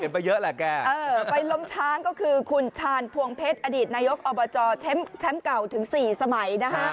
ไปลมช้างก็คือคุณชานพวงเพชรอดีตนายกอบจแชมป์เก่าถึงสี่สมัย